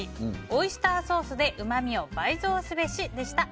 オイスターソースでうまみを倍増すべしでした。